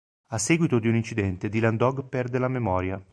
A seguito di un incidente Dylan Dog perde la memoria.